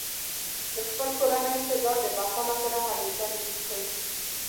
د خپل کورني اقتدار د بقا لپاره هلې ځلې کړې.